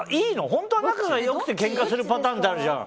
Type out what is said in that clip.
本当は仲が良くてケンカするパターンってあるじゃん。